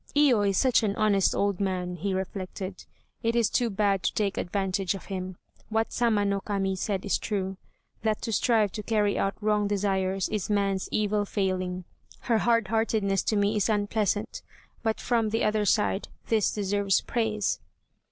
"Iyo is such an honest old man," he reflected, "it is too bad to take advantage of him. What Sama no Kami said is true, 'that to strive to carry out wrong desires is man's evil failing!' Her hardheartedness to me is unpleasant, but from the other side this deserves praise!"